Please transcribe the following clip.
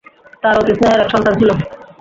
তার অতি স্নেহের এক সন্তান ছিল।